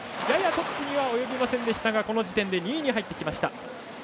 ややトップには及びませんでしたがこの時点で２位に入ってきました。